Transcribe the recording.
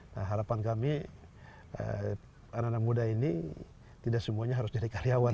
nah harapan kami anak anak muda ini tidak semuanya harus jadi karyawan